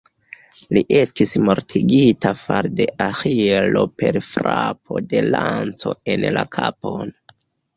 Li estis mortigita far de Aĥilo per frapo de lanco en la kapon.